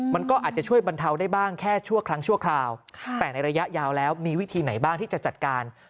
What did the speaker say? มันก็อาจจะช่วยบรรเทาได้บ้างแค่ชั่วครั้งชั่วคราวแต่ในระยะยาวแล้วมีวิธีไหนบ้างที่จะจัดการ